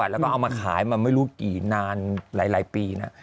แล้วก็เอามาขายมาไม่รู้กี่นานหลายปีนะ